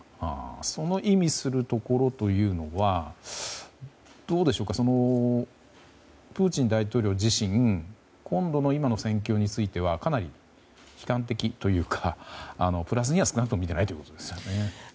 その意味するところというのはどうでしょうかプーチン大統領自身今の戦況についてはかなり悲観的というかプラスには少なくとも見ていないということですね。